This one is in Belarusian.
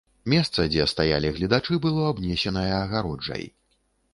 Месца, дзе стаялі гледачы, было абнесенае агароджай.